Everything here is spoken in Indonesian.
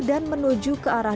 dan menunjukkan kembali ke rumah